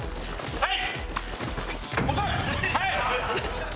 はい！